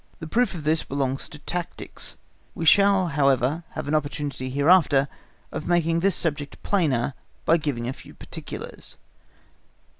The proof of this belongs to tactics; we shall, however, have an opportunity hereafter of making this subject plainer by giving a few particulars.